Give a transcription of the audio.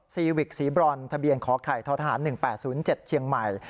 ซีวิกสีบรอนทะเบียนขอไข่ท้อทหาร๑๘๐๗เชียงใหม่